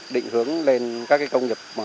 định hướng lên các công nghiệp bốn